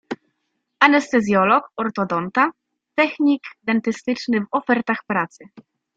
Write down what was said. Anestezjolog, ortodonta, technik dentystyczny w ofertach pracy.